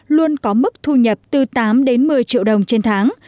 luôn có mức thu nhập từ tám đến một mươi triệu đồng trên tháng